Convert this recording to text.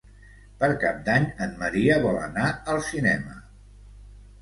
Per Cap d'Any en Maria vol anar al cinema.